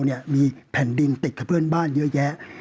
เนี่ยมีแผ่นดินติดกับเพื่อนบ้านเยอะแยะ